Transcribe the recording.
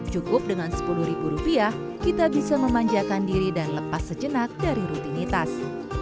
cukup dengan sepuluh ribu rupiah kita bisa memanjakan diri dan lepas sejenak dari rutinitas